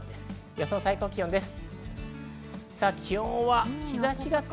予想最高気温です。